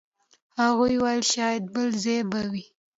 هغوی ویل شاید بل ځای به وئ.